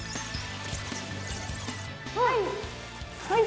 はい。